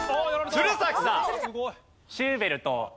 鶴崎さん。